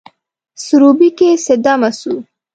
سروبي کښي څه دمه سوو